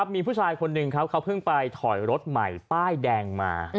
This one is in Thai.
มีผู้ชายคนหนึ่งเขาเพิ่งไปถอยรถใหม่ป้ายแดงมา